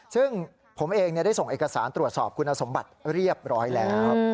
ซึ่งผมเองได้ส่งเอกสารตรวจสอบคุณสมบัติเรียบร้อยแล้ว